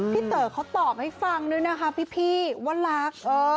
เต๋อเขาตอบให้ฟังด้วยนะคะพี่ว่ารัก